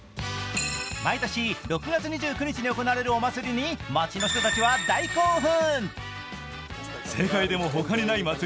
毎年６月２９日に行われるお祭りに街の人たちは大興奮。